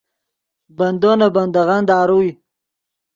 بندو نے بندغّن داروئے